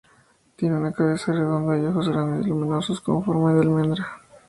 Tiene una cabeza redonda y ojos grandes, luminosos con forma de almendra.